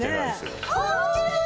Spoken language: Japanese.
ああきれい！